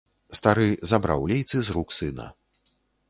Стары забраў лейцы з рук сына.